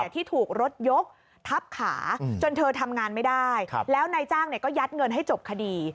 ที่ถูกรถยกทับขาจนเธอทำงานไม่ได้แล้วนายจ้างก็ยัดเงินให้จบคดี